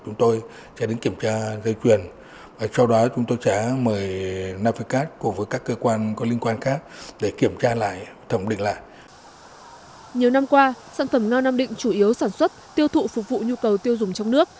nhiều năm qua sản phẩm no nam định chủ yếu sản xuất tiêu thụ phục vụ nhu cầu tiêu dùng trong nước